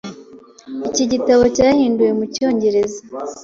Iki gitabo cyahinduwe mu Cyongereza.